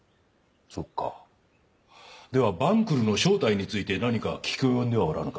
そっかでは晩来の正体について何か聞き及んではおらぬか？